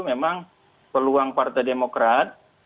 memang peluang partai demokrat